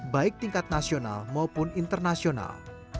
baik tingkat nasional maupun internasional